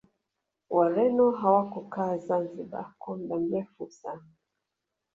Wareno hawakukaa zanzibar kwa muda mrefu sana